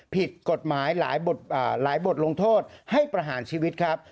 ผิดกฎหมายหลายบทลงโทษให้ประหารชีวิตครับ